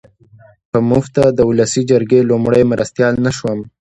په مفته د اولسي جرګې لومړی مرستیال نه شوم.